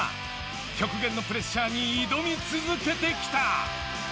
極限のプレッシャーに挑み続けてきた。